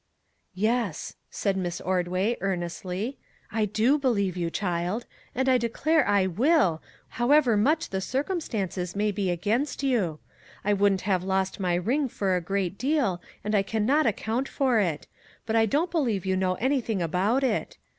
" Yes," said Miss Ordway, earnestly; " I do believe you, child; and I declare I will, how iii MAG AND MARGARET ever much the circumstances may be against you. I wouldn't have lost my ring for a great deal and I can not account for it; but I don't believe you know anything about it.